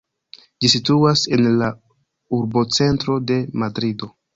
Ĝi situas en la urbocentro de Madrido.